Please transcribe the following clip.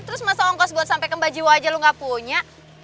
terus masa ngongkos buat sampai ke mbak jiwo aja lo gak punya